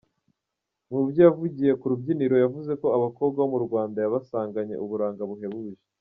Mu byo yavugiye ku rubyiniro yavuze ko abakobwa bo mu Rwanda yabasanganye uburanga buhebuje.